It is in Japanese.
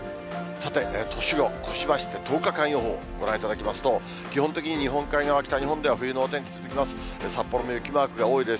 さて、年を越しまして、１０日間予報、ご覧いただきますと、基本的に日本海側、北日本では冬のお天気、続きます。